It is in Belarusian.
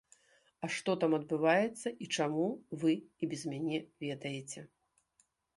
А што там адбываецца і чаму, вы і без мяне ведаеце.